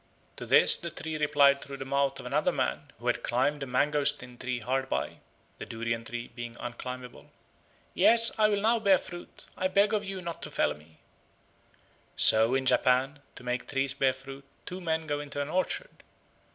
To this the tree replied through the mouth of another man who had climbed a mangostin tree hard by (the durian tree being unclimbable), "Yes, I will now bear fruit; I beg of you not to fell me." So in Japan to make trees bear fruit two men go into an orchard.